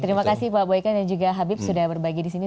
terima kasih pak boyka dan juga habib sudah berbagi disini